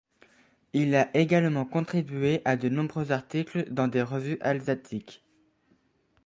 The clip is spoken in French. Il a également contribué à de nombreux articles dans des revues alsatiques.